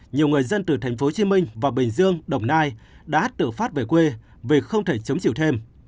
nhiều người dân từ tp hcm và bình dương đồng nai đã tự phát về quê vì không thể chống chịu thêm